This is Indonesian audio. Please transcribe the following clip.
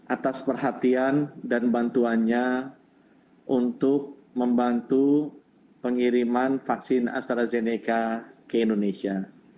atas perhatian dan bantuannya untuk membantu pengiriman vaksin astrazeneca ke indonesia